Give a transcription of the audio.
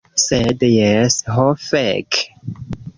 Sed jes, ho fek'